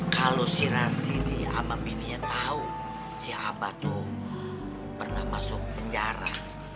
kalo si rasidi sama mini nya tau si abar tuh pernah masuk penjara